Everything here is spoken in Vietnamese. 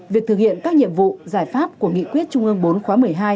việc thực hiện các nhiệm vụ giải pháp của nghị quyết trung ương bốn khóa một mươi hai